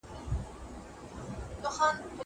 زه بايد سبا ته فکر وکړم!